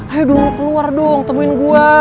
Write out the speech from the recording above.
ayo dulu keluar dong temuin gue